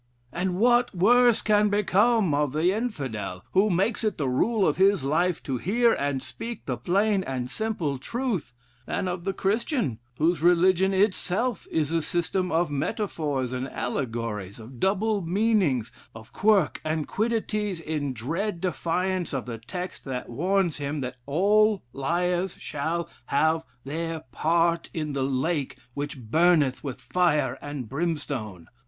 And what worse can become of the Infidel, who makes it the rule of his life 'to hear and speak the plain and simple truth,' than of the Christian, whose religion itself is a system of metaphors and allegories, of double meanings, of quirk and quiddities in dread defiance of the text that warns him, that 'All liars shall have their part in the lake which burneth with fire and brimstone?'